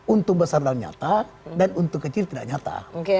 untung besar dan nyata dan untung kecil tidak nyata